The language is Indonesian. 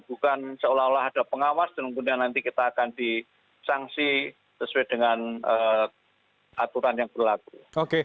bukan seolah olah ada pengawas dan kemudian nanti kita akan disangsi sesuai dengan aturan yang berlaku